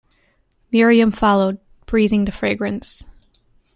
Miriam followed, breathing the fragrance.